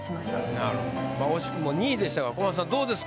なるほどまぁ惜しくも２位でしたが小松さんどうですか？